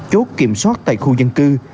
chốt kiểm soát tại khu dân cư